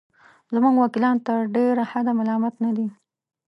زموږ وکیلان تر ډېره حده ملامت نه دي.